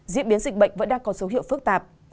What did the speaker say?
diễn biến dịch bệnh vẫn đang có dấu hiệu phức tạp